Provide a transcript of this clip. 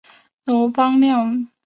楼邦彦人。